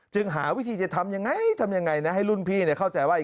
หาวิธีจะทำยังไงทำยังไงนะให้รุ่นพี่เข้าใจว่า